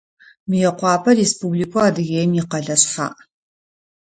Мыекъуапэ Республикэу Адыгеим икъэлэ шъхьаӏ.